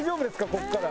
ここから。